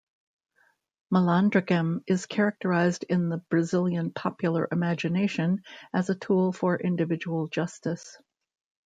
Malandragem is characterized in the Brazilian popular imagination as a tool for individual justice.